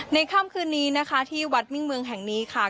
ค่ำคืนนี้นะคะที่วัดมิ่งเมืองแห่งนี้ค่ะ